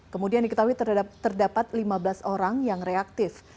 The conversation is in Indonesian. kemudian diketahui terdapat lima belas orang yang reaktif